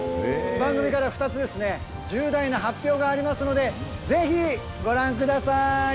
番組から２つ、重大な発表がありますので、ぜひご覧ください。